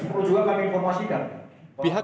perlu juga kami informasikan